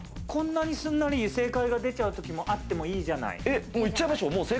こんなに、すんなり正解が出ちゃう時もあってもいいじゃない。